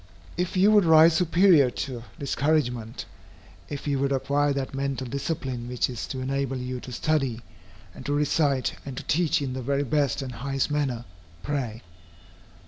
If you would rise superior to discouragement, if you would acquire that mental discipline which is to enable you to study, and to recite and to teach in the very best and highest manner, pray.